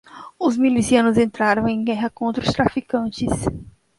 Os milicianos entraram em guerra contra os traficantes.